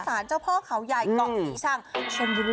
เจ้าพ่อเขาใหญ่เกาะศรีชังชนบุรี